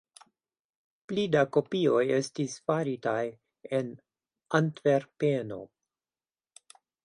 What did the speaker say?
Pli da kopioj estis faritaj en Antverpeno.